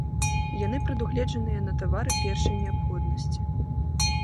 Яны прадугледжаныя на тавары першай неабходнасці.